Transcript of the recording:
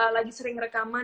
lagi sering rekaman